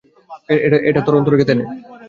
এটা তোর অন্তরে গেঁথে নে।